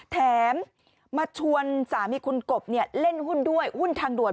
แถมมาชวนสามีคุณกบเล่นหุ้นด้วยหุ้นทางด่วน